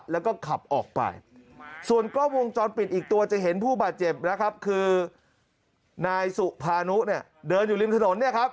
แล้วก็ขับออกไปส่วนกล้องวงจรปิดอีกตัวจะเห็นผู้บาดเจ็บนะครับคือนายสุภานุเนี่ยเดินอยู่ริมถนนเนี่ยครับ